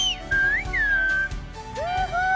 すごい！